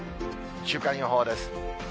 週間予報です。